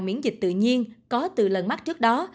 miễn dịch tự nhiên có từ lần mắc trước đó